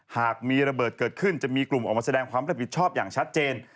หากมีระเบิดเกิดขึ้นจะมีกลุ่มออกมาแสดงความรับผิดชอบอย่างชัดเจน